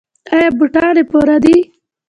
ایا بوټان یې پوره دي؟